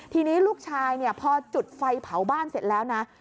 ทีนี้ลูกชายเนี่ยพอจุดไฟเผาบ้านเสร็จแล้วนะ